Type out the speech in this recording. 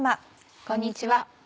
こんにちは。